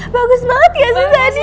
bagus banget ya si zadie